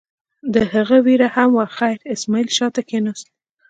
د هغه وېره هم وه، خیر اسماعیل شا ته کېناست.